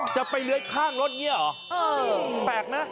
จะไปเลื้อยข้างรถนี่เหรอแปลกนะ